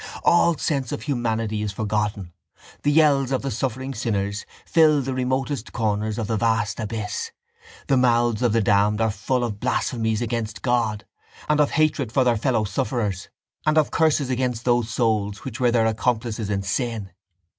All sense of humanity is forgotten. The yells of the suffering sinners fill the remotest corners of the vast abyss. The mouths of the damned are full of blasphemies against God and of hatred for their fellow sufferers and of curses against those souls which were their accomplices in sin.